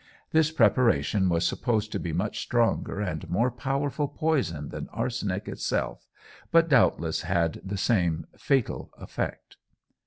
This preparation was supposed to be much stronger and a more powerful poison than arsenic itself, but doubtless had the same fatal effect.